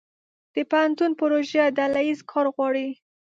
د پوهنتون پروژه ډله ییز کار غواړي.